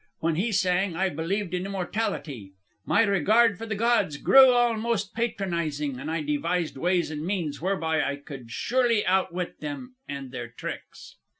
When he sang I believed in immortality, my regard for the gods grew almost patronizing and I devised ways and means whereby I surely could outwit them and their tricks.